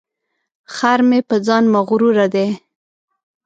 خر مې په ځان مغروره دی.